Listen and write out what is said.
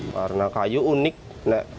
karena kayu unik menurutku